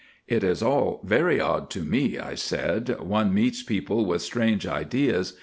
"It is all very odd to me," I said, "one meets people with strange ideas.